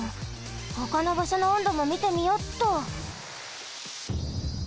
ほかのばしょの温度もみてみよっと。